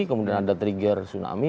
kemudian ada trigger tsunami